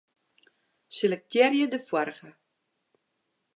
Selektearje de foarige.